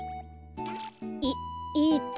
えっえっと